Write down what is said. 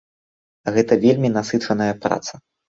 Гэта вельмі насычаная праца.